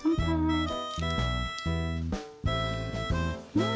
うん。